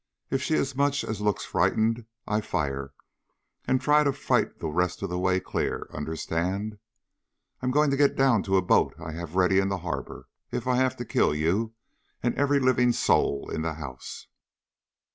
If she as much as looks frightened, I fire, and try to fight the rest of the way clear. Understand? I'm going to get down to a boat I have ready in the harbor if I have to kill you and every living soul in the house!"